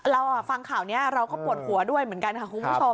เราฟังข่าวนี้เราก็ปวดหัวด้วยเหมือนกันค่ะคุณผู้ชม